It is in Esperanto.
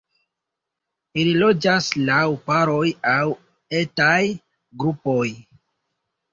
Ili loĝas laŭ paroj aŭ etaj grupoj.